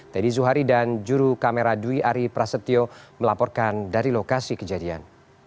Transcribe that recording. teddy zuhari dan juru kamera dwi ari prasetyo melaporkan dari lokasi kejadian